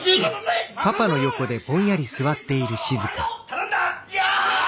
頼んだ！